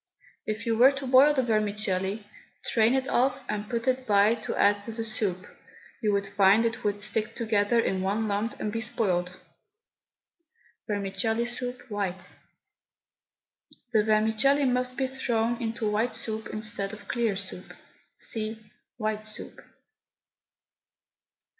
If you were to boil the vermicelli, strain it off, and put it by to add to the soup, you would find it would stick together in one lump and be spoilt. VERMICELLI SOUP, WHITE. The vermicelli must be thrown into white soup instead of clear soup. (See WHITE SOUP.)